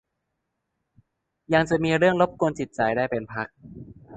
ยังจะมีเรื่องรบกวนจิตใจได้เป็นพัก